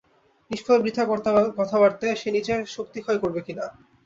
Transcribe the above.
নিষ্ফল বৃথা কথাবার্তায় সে নিজের শক্তিক্ষয় করবে না।